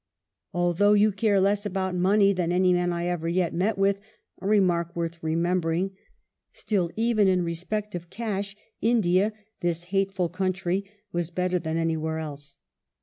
" Although you care less about money than any man I ever yet met with," a remark worth remembering, still even in respect of cash, India, " this hateful country," was better than any where else.